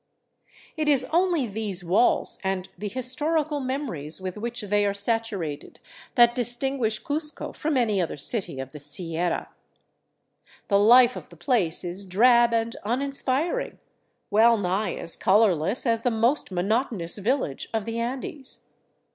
It is only these walls and the historical memories with which they are saturated that distinguish Cuzco from any other city of the Sierra. The life of the place is drab and uninspiring, wellnigh as colorless as the most monotonous village of the Andes.